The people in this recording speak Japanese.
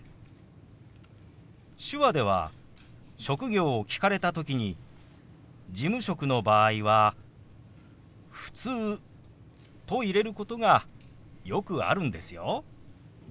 手話では職業を聞かれた時に事務職の場合は「ふつう」と入れることがよくあるんですよ。